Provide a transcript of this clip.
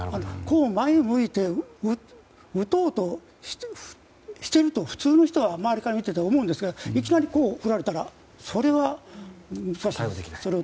前を向いて撃とうとしていると普通の人は周りから見ていて思うんですがいきなり振られたらそれは阻止できない。